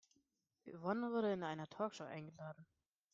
Yvonne wurde in eine Talkshow eingeladen.